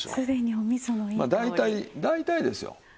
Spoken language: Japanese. まあ大体大体ですよ。